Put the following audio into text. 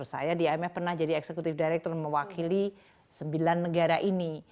saya di imf pernah jadi executive director mewakili sembilan negara ini